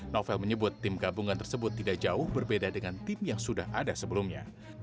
novel menyebut tim gabungan tersebut tidak jauh berbeda dengan tim yang sudah ada sebelumnya